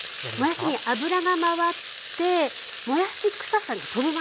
もやしに油が回ってもやし臭さが飛ぶまで。